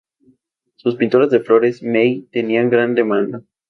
Sus pinturas de flores "mei" tenían gran demanda.